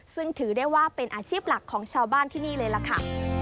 ซึ่งถือได้ว่าเป็นอาชีพหลักของชาวบ้านที่นี่เลยล่ะค่ะ